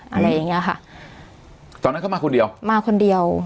อะไรอย่างเงี้ยค่ะตอนนั้นเขามาคนเดียวมาคนเดียว